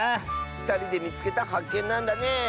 ふたりでみつけたはっけんなんだね！